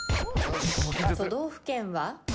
都道府県は？